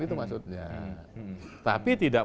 itu maksudnya tapi tidak